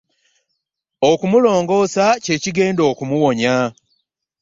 Okumulongosa kye kigenda okumuwonya.